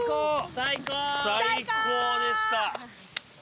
最高でした。